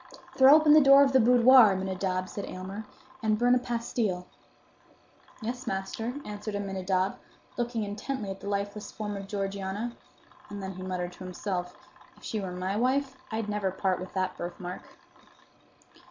"Throw open the door of the boudoir, Aminadab," said Aylmer, "and burn a pastil." "Yes, master," answered Aminadab, looking intently at the lifeless form of Georgiana; and then he muttered to himself, "If she were my wife, I'd never part with that birthmark."